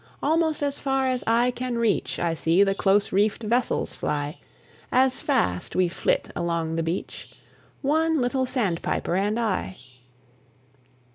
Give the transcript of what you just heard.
Almost as far as eye can reach I see the close reefed vessels fly, As fast we flit along the beach, One little sandpiper and I.